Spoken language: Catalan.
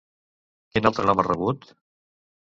Quin altre nom ha rebut?